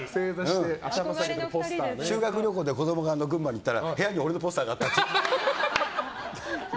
修学旅行で子供が群馬に行ったら俺のポスターがあったって。